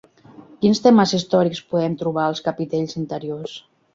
Quins temes històrics poem trobar als capitells interiors?